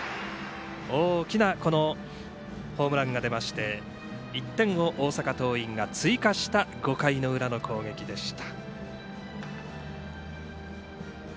大きなホームランが出まして１点を大阪桐蔭が追加した、５回の裏の攻撃でした。